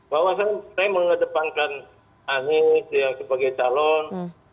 bahwa saya mengedepankan anies sebagai calon